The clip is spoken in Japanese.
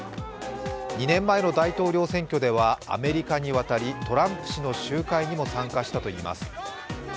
２年前の大統領選挙ではアメリカに渡りトランプ氏の集会にも参加したといいます。